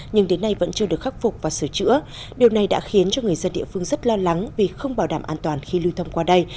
nhưng đến nay vẫn chưa được khắc phục và sửa chữa điều này đã khiến cho người dân địa phương rất lo lắng vì không bảo đảm an toàn khi lưu thông qua đây